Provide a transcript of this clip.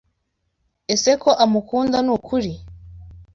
ese Ko amukunda nukuri.